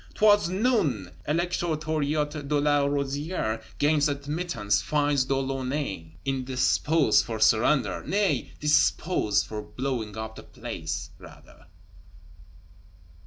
Towards noon, Elector Thuriot de la Rosière gains admittance, finds De Launay indisposed for surrender, nay, disposed for blowing up the place, rather.